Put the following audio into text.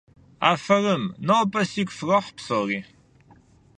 Афэрым! Нобэ сигу фрохь псори!